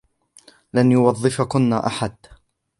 لن يوظفكن أحد.